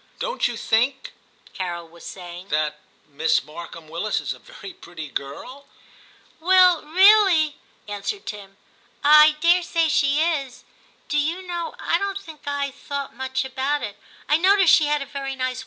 * Don't you think,' Carol was saying, * that that Miss Markham Willis is a very pretty girl ?'* Well, really,' answered Tim, ' I daresay she is. Do you know, I don't think I thought much about it ; I noticed she had a very nice i8o TIM CHAP.